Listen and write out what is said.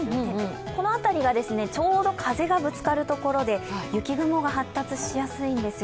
この辺りがちょうど風がぶつかるところで雪雲が発達しやすいんですよ。